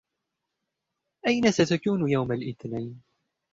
أين ستكون يوم الإثنين؟